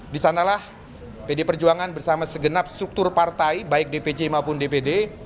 disanalah pd perjuangan bersama segenap struktur partai baik dpc maupun dpd